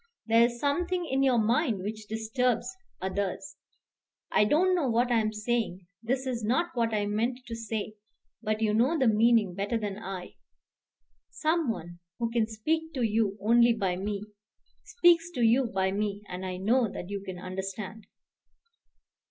There is something in your mind which disturbs others. I don't know what I am saying. This is not what I meant to say; but you know the meaning better than I. Some one who can speak to you only by me speaks to you by me; and I know that you understand."